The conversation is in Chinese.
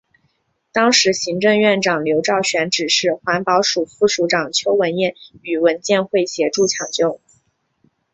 当时行政院长刘兆玄指示环保署副署长邱文彦与文建会协助抢救。